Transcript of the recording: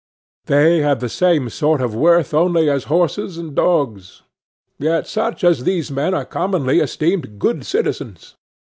They have the same sort of worth only as horses and dogs. Yet such as these even are commonly esteemed good citizens.